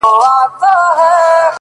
د توري شپې سره خوبونه هېرولاى نه ســم”